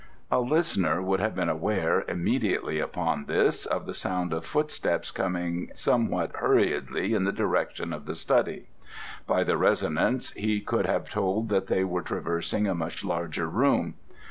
A listener would have been aware, immediately upon this, of the sound of footsteps coming somewhat hurriedly in the direction of the study: by the resonance he could have told that they were traversing a much larger room.